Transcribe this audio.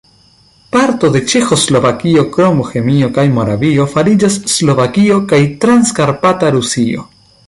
Parto de Ĉeĥoslovakio krom Bohemio kaj Moravio fariĝas Slovakio kaj Transkarpata Rusio.